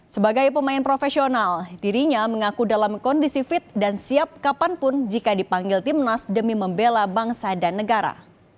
sebagai pemain profesional dirinya mengaku dalam kondisi fit dan siap kapanpun jika dipanggil timnas demi membela bangsa dan negara